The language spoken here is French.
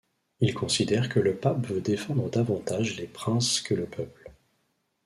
Il considère que le Pape veut défendre davantage les princes que le peuple.